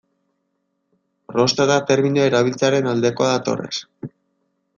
Prostata terminoa erabiltzearen aldekoa da Torres.